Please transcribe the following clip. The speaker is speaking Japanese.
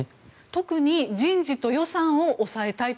特に人事と予算を押さえたい